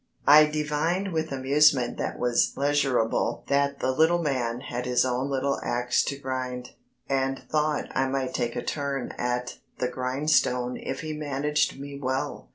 I divined with amusement that was pleasurable that the little man had his own little axe to grind, and thought I might take a turn at the grindstone if he managed me well.